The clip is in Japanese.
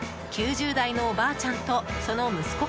９０代のおばあちゃんとその息子